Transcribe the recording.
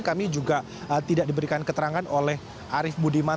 kami juga tidak diberikan keterangan oleh arief budiman